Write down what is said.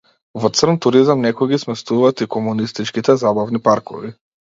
Во црн туризам некои ги сместуваат и комунистичките забавни паркови.